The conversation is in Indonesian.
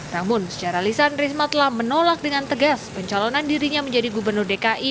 namun secara lisan risma telah menolak dengan tegas pencalonan dirinya menjadi gubernur dki